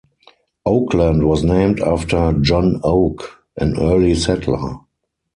Oakland was named after John Oak, an early settler.